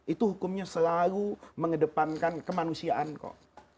itu hukumnya selalu mengedepankan kemanusiaan kok